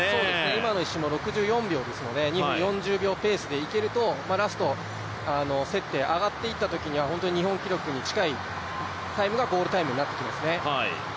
今の１周も、６４秒ですので２分４０秒ペースで行けると、ラスト競って上がっていったときには、本当に日本記録に近いタイムがゴールタイムになってきますね。